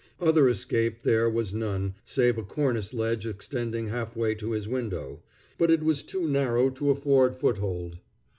Other escape there was none, save a cornice ledge extending half way to his window; but it was too narrow to afford foothold.